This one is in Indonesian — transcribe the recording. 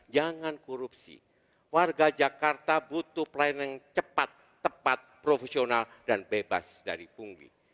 jangan korupsi warga jakarta butuh pelayanan yang cepat tepat profesional dan bebas dari punggi